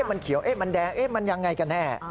มันเขียวมันแดงมันยังไงกันแน่